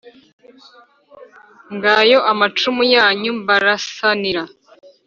Ngayo amacumu yanyu mbarasanira